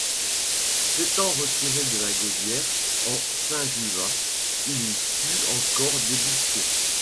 S'étant retiré à la Gaudière en Saint-Juvat, il y fut encore débusqué.